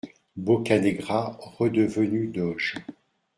- Boccanegra redevenu doge.